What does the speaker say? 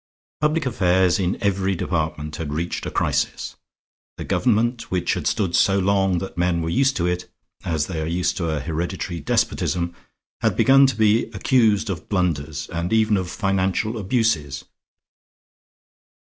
Public affairs in every department had reached a crisis. The government which had stood so long that men were used to it, as they are used to a hereditary despotism, had begun to be accused of blunders and even of financial abuses.